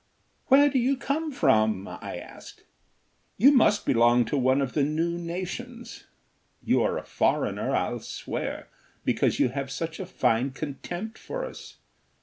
"Where do you come from?" I asked. "You must belong to one of the new nations. You are a foreigner, I'll swear, because you have such a fine contempt for us.